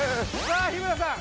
さあ日村さん